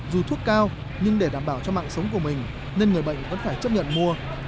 dù thuốc cao nhưng để đảm bảo cho mạng sống của mình nên người bệnh vẫn phải chấp nhận mua